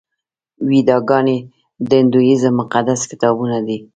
ویداګانې د هندویزم مقدس کتابونه دي.